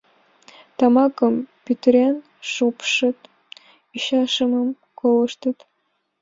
Тамакым пӱтырен шупшыт, ӱчашымым колыштыт.